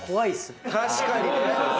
確かにね！